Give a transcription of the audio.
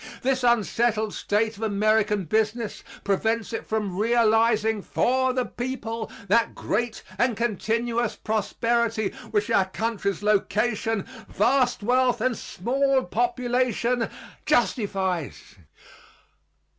This unsettled state of American business prevents it from realizing for the people that great and continuous prosperity which our country's location, vast wealth and small population justifies.